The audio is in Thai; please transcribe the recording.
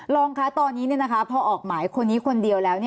รองคะตอนนี้พอออกหมายคนนี้คนเดียวแล้ว